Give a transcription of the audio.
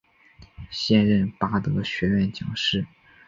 现任巴德学院讲师。